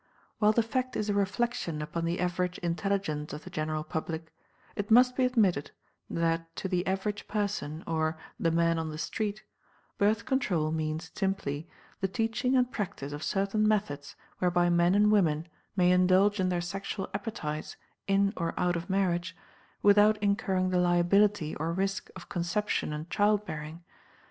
While the fact is a reflection upon the average intelligence of the general public, it must be admitted that to the average person, or "the man on the street," Birth Control means simply the teaching and practice of certain methods whereby men and women may indulge their sexual appetites, in or out of marriage, without incurring the liability or risk of conception and child bearing.